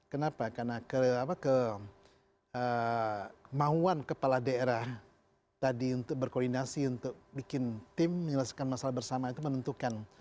kenapa karena kemauan kepala daerah tadi untuk berkoordinasi untuk bikin tim menyelesaikan masalah bersama itu menentukan